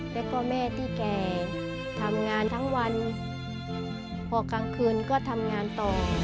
แล้วก็แม่ที่แก่ทำงานทั้งวันพอกลางคืนก็ทำงานต่อ